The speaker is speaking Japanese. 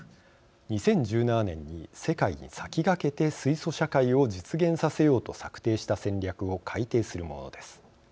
２０１７年に世界に先がけて水素社会を実現させようと策定した戦略を改定するものです。